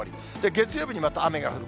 月曜日にまた雨が降る。